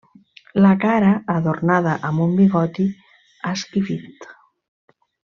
La cara adornada amb un bigoti esquifit.